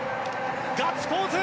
ガッツポーズ！